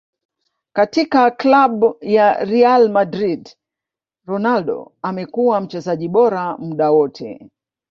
Katika club ya Real madrid Ronaldo amekuwa mchezaji bora muda wote